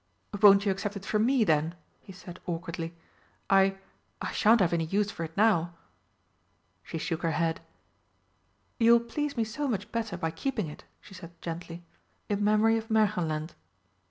"Won't you accept it from me, then?" he said awkwardly. "I I shan't have any use for it now." She shook her head. "You will please me so much better by keeping it," she said gently "in memory of Märchenland."